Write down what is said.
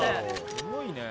すごいね。